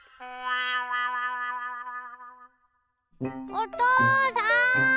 おとうさん！